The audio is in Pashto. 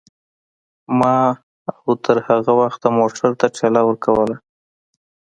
ما او تر هغه وخته موټر ته ټېله ورکوله.